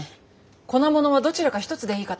粉ものはどちらか一つでいいかと。